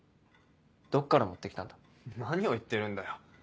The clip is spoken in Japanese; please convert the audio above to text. どっから持って来たんだ？何を言ってるんだよ。